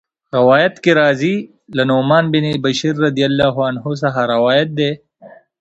روايت کي راځي: له نعمان بن بشير رضي الله عنه څخه روايت دی